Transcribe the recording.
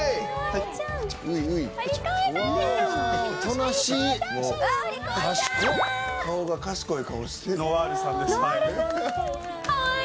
はい。